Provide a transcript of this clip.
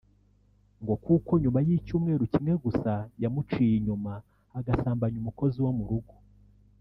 ngo kuko nyuma y’icyumweru kimwe gusa yamuciye inyuma agasambanya umukozi wo mu rugo